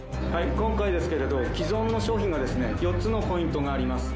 今回ですけれど既存の商品がですね４つのポイントがあります。